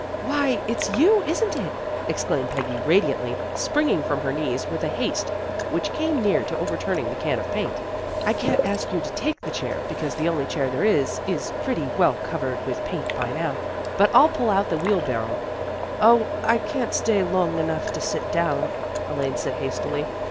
" Why, it's you, isn't it? " exclaimed Peggy radiantly, springing from her knees with a haste which came near to overturning the can of paint. " I can't ask you to take a chair, be cause the only chair there is is pretty well cov ered with paint by now. But I'll pull out the wheelbarrow " 0, I can't stay long enough to sit down," Elaine said hastily.